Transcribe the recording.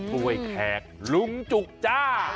กล้วยแขกลุงจุกจ้า